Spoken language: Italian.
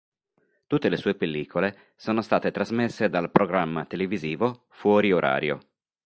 Tutte le sue pellicole sono state trasmesse dal programma televisivo "Fuori orario.